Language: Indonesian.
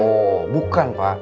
oh bukan pak